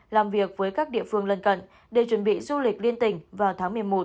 làm việc với các địa phương lân cận để chuẩn bị du lịch liên tỉnh vào tháng một mươi một